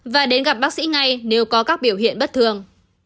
và đến gặp bác sĩ ngay nếu có các biểu hiện bất thường